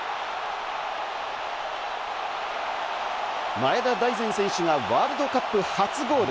前田大然選手がワールドカップ初ゴール。